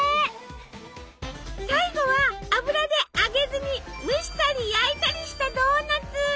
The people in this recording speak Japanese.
最後は油で揚げずに蒸したり焼いたりしたドーナツ。